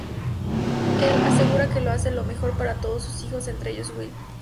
Él asegura que lo hace lo mejor para todos sus hijos, entre ellos Will.